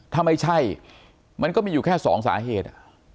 ถ้าไม่ใช่มันก็มีอยู่แค่สองสาเหตุ